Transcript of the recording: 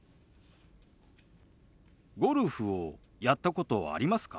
ゴルフをやったことありますか？